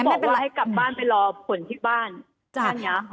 บอกว่าให้กลับบ้านไปรอผลที่บ้านแค่นี้